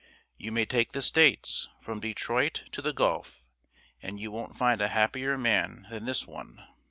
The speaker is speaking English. You may take the States, from Detroit to the Gulf, and you won't find a happier man than this one.